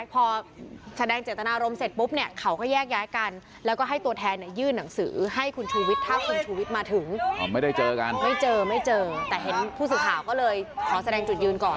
ผู้สืบข่าวก็เลยขอแสดงจุดยืนก่อน